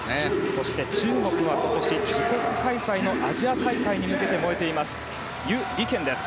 そして中国は今年、自国開催のアジア大会に向けて燃えますユ・リケンです。